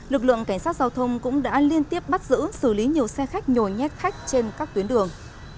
lực lượng cảnh sát giao thông cũng đã liên tiếp bắt giữ xử lý nhiều xe khách nhồi nhét khách trên các tuyến đường